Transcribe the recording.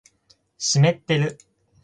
湿ってる